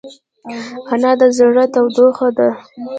انا د زړه تودوخه ده